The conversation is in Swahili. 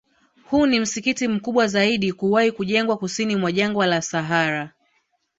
Huu ni msikiti mkubwa zaidi kuwahi kujengwa Kusini mwa Jangwa la Sahara